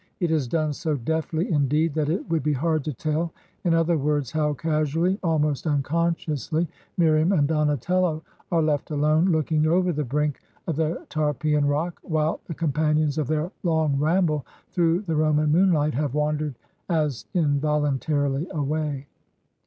It is done so deftly indeed that it would be hard to tell in other words how casually, al most unconsciously, Miriam and Donatello are left alone looking over the brink of the Tarpeian Rock, while the companions of their long ramble through the Roman moonlight have wandered as involuntarily away.